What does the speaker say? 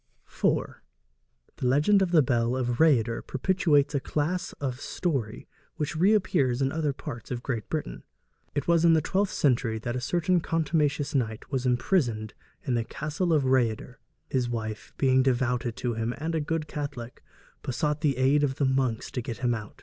IV. The legend of the Bell of Rhayader perpetuates a class of story which reappears in other parts of Great Britain. It was in the twelfth century that a certain contumacious knight was imprisoned in the castle of Rhayader. His wife, being devoted to him, and a good Catholic, besought the aid of the monks to get him out.